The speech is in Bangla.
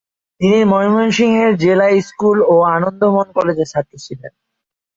তিনি ময়মনসিংহের জেলা স্কুল ও আনন্দমোহন কলেজের ছাত্র ছিলেন।